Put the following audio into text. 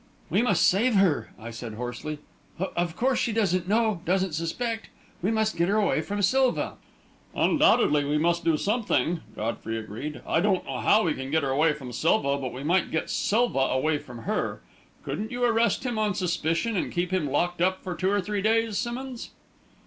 "We must save her!" I said, hoarsely. "Of course she doesn't know doesn't suspect! We must get her away from Silva!" "Undoubtedly we must do something," Godfrey agreed. "I don't know how we can get her away from Silva, but we might get Silva away from her. Couldn't you arrest him on suspicion and keep him locked up for two or three days, Simmonds?"